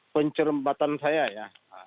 pencerempatan saya ya